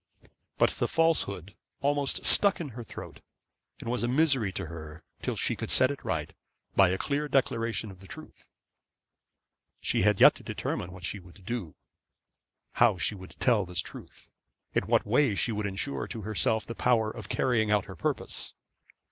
But the falsehood almost stuck in her throat and was a misery to her till she could set it right by a clear declaration of the truth. She had yet to determine what she would do; how she would tell this truth; in what way she would insure to herself the power of carrying out her purpose.